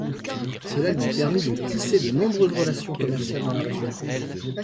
Cela lui permit de tisser de nombreuses relations commerciales dans la région.